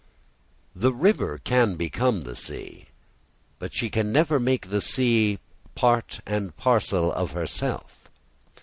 The river can become the sea, but she can never make the sea part and parcel of herself.